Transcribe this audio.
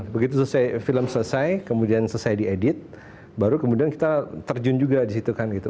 begitu film selesai kemudian selesai diedit baru kemudian kita terjun juga di situ kan gitu